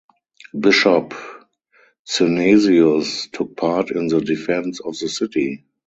Bishop Synesius took part in the defence of the city.